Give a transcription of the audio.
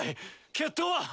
決闘は？